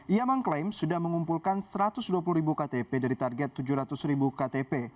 ia mengklaim sudah mengumpulkan satu ratus dua puluh ribu ktp dari target tujuh ratus ribu ktp